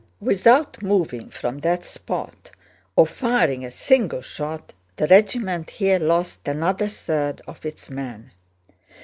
Without moving from that spot or firing a single shot the regiment here lost another third of its men.